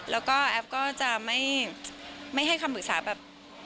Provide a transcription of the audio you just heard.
แล้วก็แอฟก็จะไม่ให้คำปรึกษาแบบ